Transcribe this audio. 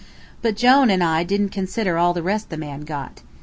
But Jone said I didn't consider all the rest the man got.